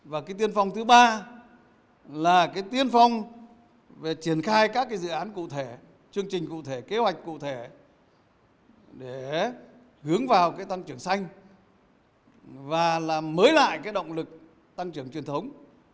và tiên phong thứ ba là tiên phong về triển khai các dự án cụ thể chương trình cụ thể kế hoạch cụ thể để hướng vào tăng trưởng xanh và mới lại động lực tăng trưởng truyền thống